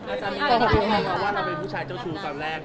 อาจารย์มีความว่าเราเป็นผู้ชายเจ้าชู้กลางแรก